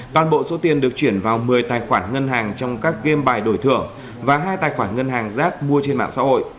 toàn bộ số tiền được chuyển vào một mươi tài khoản ngân hàng trong các game bài đổi thưởng và hai tài khoản ngân hàng rác mua trên mạng xã hội